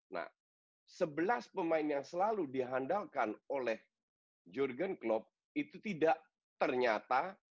nah sebelas pemain yang selalu dihandalkan oleh jurgen klopp itu tidak ternyata